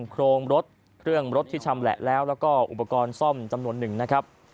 โครงรถเครื่องรถที่ชำแหละแล้วแล้วก็อุปกรณ์ซ่อมจำนวนหนึ่งนะครับ